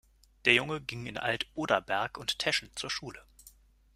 Der Junge ging in Alt-Oderberg und Teschen zur Schule.